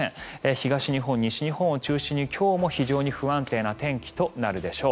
東日本、西日本を中心に今日も非常に不安定な天気となるでしょう。